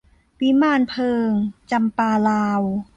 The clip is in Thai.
วิมานเพลิง - จำปาลาว